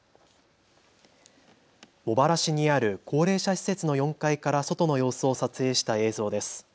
茂原市にある高齢者施設の４階から外の様子を撮影した映像です。